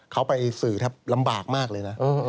เขาไปสื่อแทบลำบากมากเลยนะ